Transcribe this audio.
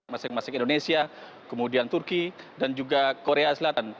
masing masing indonesia kemudian turki dan juga korea selatan